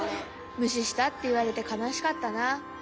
「むしした」っていわれてかなしかったな。